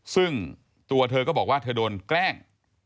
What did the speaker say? ซึ่งตัวเธอก็บอกว่าเธอโดนแกล้ง